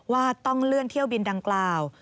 ว่าต้องเลื่อนเที่ยวบินดังกล่าว